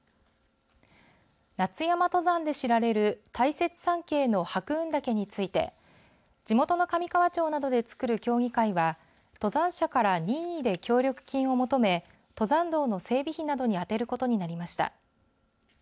夏山登山で知られる大雪山系の白雲岳について地元の上川町などでつくる協議会は登山者から任意で協力金を求め登山道の整備費などにあてることになりました。